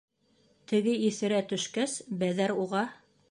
Теге иҫерә төшкәс, Бәҙәр уға: